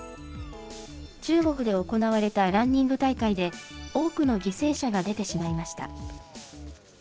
中国で行われたランニング大会で多くの犠牲者が出てしまいました。